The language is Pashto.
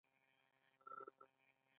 شنې بوی خوند دی.